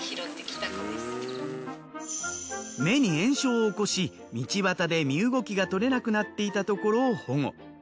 目に炎症を起こし道端で身動きが取れなくなっていたところを保護。